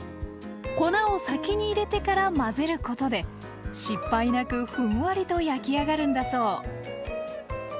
粉を先に入れてから混ぜることで失敗なくふんわりと焼き上がるんだそう。